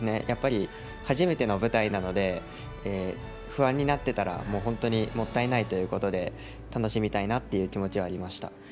やっぱり、初めての舞台なので、不安になってたら、もう本当にもったいないということで、楽しみたいなという気持ちはありました。